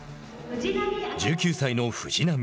１９歳の藤波。